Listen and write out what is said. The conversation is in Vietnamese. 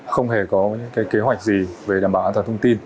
không hề có kế hoạch gì về đảm bảo an toàn thông tin